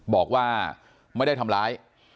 บอกว่าไม่ได้ทำร้าย